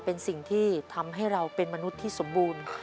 เป็นสิ่งที่ทำให้เราเป็นมนุษย์ที่สมบูรณ์